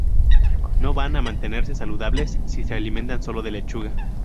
No van a mantenerse saludables si se alimentan sólo de lechuga.